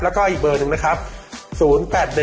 แล้วก็อีกเบอร์หนึ่งนะครับ๐๘๑๔๓๔๔๔๔๔ครับผม